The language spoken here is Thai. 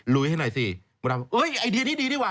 ลุยให้หน่อยสิเอ้ยไอเดียนี้ดีดีวะ